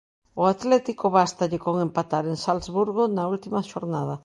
Ao Atlético bástalle con empatar en Salzburgo na última xornada.